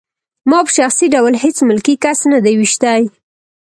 ما په شخصي ډول هېڅ ملکي کس نه دی ویشتی